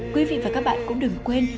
quý vị và các bạn cũng đừng quên